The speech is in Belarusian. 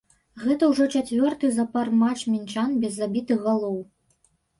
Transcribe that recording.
Гэта ўжо чацвёрты запар матч мінчан без забітых галоў.